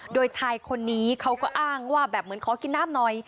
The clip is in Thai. โดยชายคนนี้เขาก็อ้างว่าแบบเหมือนขอกินน้ำหน่อย